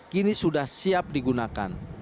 kini sudah siap digunakan